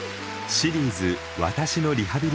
「シリーズ私のリハビリ・介護」。